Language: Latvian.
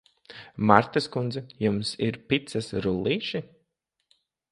Martas kundze, jums ir picas rullīši?